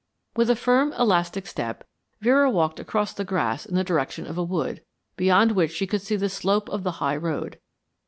With a firm, elastic step, Vera walked across the grass in the direction of a wood, beyond which she could see the slope of the high road.